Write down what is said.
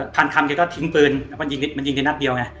พานคำเขาก็ทิ้งปืนมันยิงในนักเดียวไง